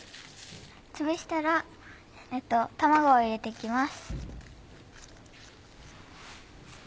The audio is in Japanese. つぶしたら卵を入れていきます。